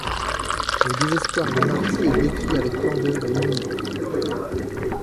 Le désespoir de Marty est décrit avec candeur et humour.